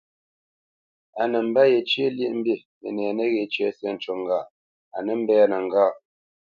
A nə mbə̄ yecyə́ lyéʼmbî, mənɛ nəghé cə syâ cú ŋgâʼ a nə́ mbɛ́nə́ ŋgâʼ.